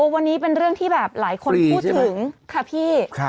วันนี้เป็นเรื่องที่แบบหลายคนพูดถึงค่ะพี่